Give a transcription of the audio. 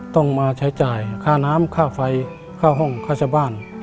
ต้องมาใช้จ่ายค่าน้ำค่าไฟค่าห้องค่าเช่าบ้าน